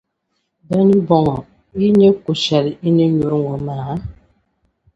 Di ni bɔŋɔ, yi nya ko’ shεli yi ni nyuri ŋɔ maa?